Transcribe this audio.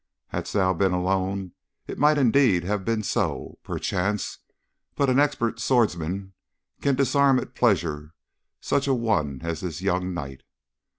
'Hadst thou been alone it might indeed have been so, perchance, but an expert swordsman can disarm at pleasure such a one as this young knight.